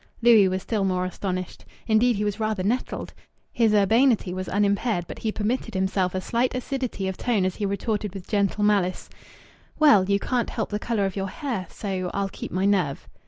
Louis was still more astonished. Indeed, he was rather nettled. His urbanity was unimpaired, but he permitted himself a slight acidity of tone as he retorted with gentle malice "Well, you can't help the colour of your hair. So I'll keep my nerve."